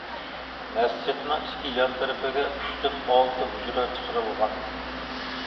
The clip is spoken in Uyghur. مەسچىتنىڭ ئىككى يان تەرىپىگە ئۈچتىن ئالتە ھۇجرا چىقىرىلغان.